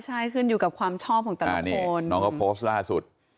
ใช่ขึ้นอยู่กับความชอบของแต่ละคนน้องเขาโพสต์ล่าสุด